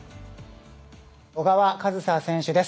小川和紗選手です。